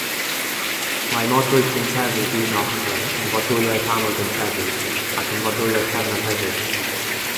Mae modrwy cyntefig un ochr yn fodrwyau rhannol gyntefig ac yn fodrwyau pennaf hefyd.